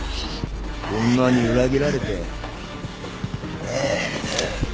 女に裏切られて。